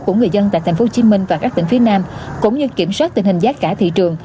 của người dân tại tp hcm và các tỉnh phía nam cũng như kiểm soát tình hình giá cả thị trường